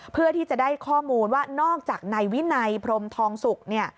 เพื่อที่จะได้ข้อมูลว่านอกจากนายวินัยพรมทองสุก